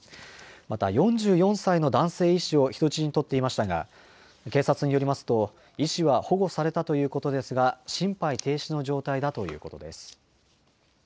また、４４歳の男性医師を人質に取っていましたが、警察によりますと、医師は保護されたということですが、心肺停止の状態だということです。